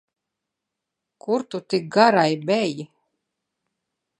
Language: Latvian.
Kur tu tik garai beji?